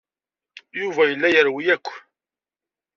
Yuba yella yerwi akk.